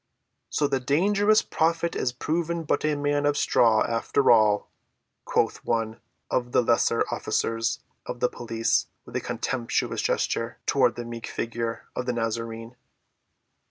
"So the dangerous prophet is proven but a man of straw, after all," quoth one of the lesser officers of the police with a contemptuous gesture toward the meek figure of the Nazarene.